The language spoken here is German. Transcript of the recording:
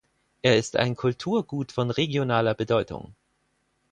Er ist ein Kulturgut von regionaler Bedeutung.